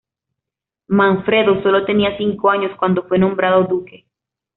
Manfredo sólo tenía cinco años cuando fue nombrado duque.